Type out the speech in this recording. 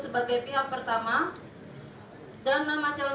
sebagai pihak pertama dan nama calon